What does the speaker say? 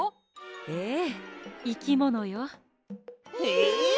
ええいきものよ。え！？